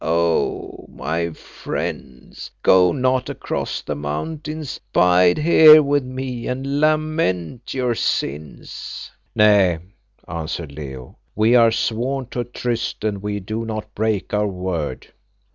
Oh! my friends, go not across the mountains; bide here with me and lament your sins." "Nay," answered Leo, "we are sworn to a tryst, and we do not break our word."